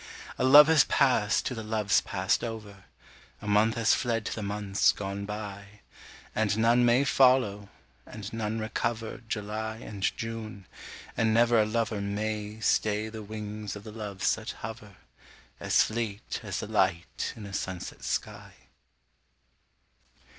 A love has passed to the loves passed over, A month has fled to the months gone by; And none may follow, and none recover July and June, and never a lover May stay the wings of the Loves that hover, As fleet as the light in a sunset sky.